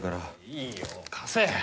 いいよ貸せ。